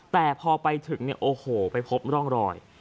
แต่พอไปถึงเนี่ยโอ้โหไปพบร่องรอย